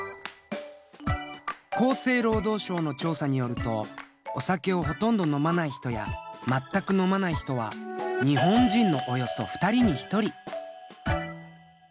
厚生労働省の調査によるとお酒をほとんど飲まない人やまったく飲まない人は日本人のおよそ２人に１人。